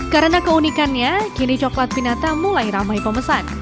karena keunikannya kini coklat pinata mulai ramai pemesan